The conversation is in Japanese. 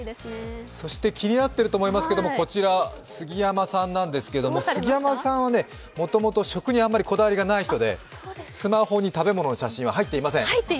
そして気になってると思いますがこちら、杉山さんなんですけど、杉山さんはもともと食にあんまりこだわりがない人で、スマホに食べ物の写真は入っていません。